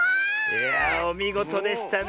いやおみごとでしたねえ。